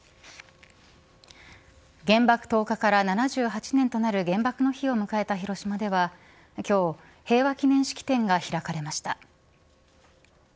原爆投下から７８年となる原爆の日を迎えた広島では今日、平和記念式典が開かれました。